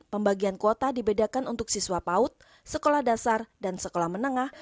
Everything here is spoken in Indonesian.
pembagian kuota dibedakan untuk siswa paut sekolah dasar dan sekolah menengah